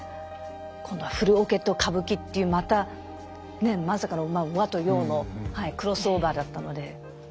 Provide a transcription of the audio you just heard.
今度はフルオケと歌舞伎っていうまたまさかの和と洋のクロスオーバーだったので。